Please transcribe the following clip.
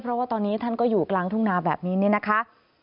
เพราะว่าตอนนี้ท่านก็อยู่กลางทุ่งนาแบบนี้เนี่ยนะคะ